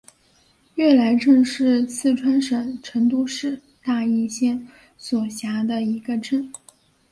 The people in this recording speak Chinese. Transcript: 悦来镇是四川省成都市大邑县所辖的一个镇。